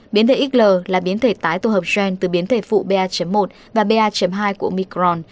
biến thể xl là biến thể tái tổ hợp gen từ biến thể phụ ba một và ba hai của micron